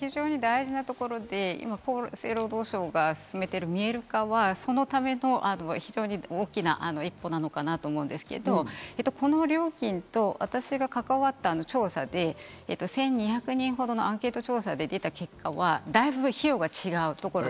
非常に大事なところで、今、厚生労働省が進めている、見える化はそのための非常に大きな一歩なのかなと思うんですけど、この料金と私が関わった調査で、１２００人ほどのアンケート調査で出た結果はだいぶ費用が違う。